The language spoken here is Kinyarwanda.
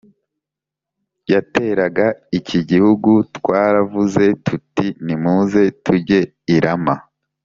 yateraga iki gihugu twaravuze tuti Nimuze tujye I rama